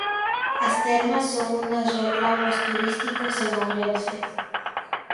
As termas son un dos reclamos turísticos en Ourense.